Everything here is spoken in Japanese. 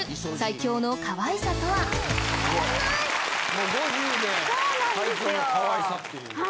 もう５０で「最強のかわいさ」っていうのは？